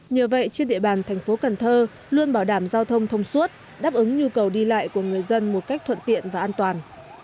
nhờ vậy trên địa bàn thành phố cần thơ luôn bảo đảm giao thông thông suốt đáp ứng nhu cầu đi lại của người dân một cách thuận tiện và an toàn